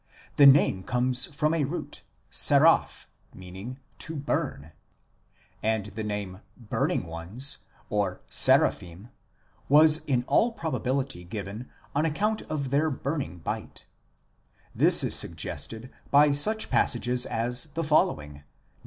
The name comes from a root saraph, meaning " to burn "; and the name " burning ones " (Seraphim) was in all probability given on account of their burning bite 1 ; this is suggested by such passages as the following : Num.